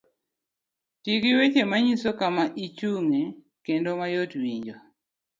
Ti gi weche manyiso kama ichung'ye kendo mayot winjo.